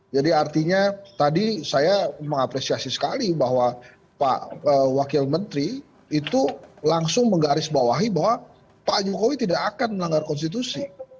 jadi artinya tadi saya mengapresiasi sekali bahwa pak wakil menteri itu langsung menggarisbawahi bahwa pak jokowi tidak akan melanggar konstitusi